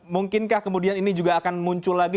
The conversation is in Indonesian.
mungkinkah kemudian ini juga akan muncul lagi